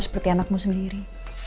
seperti anakmu sendiri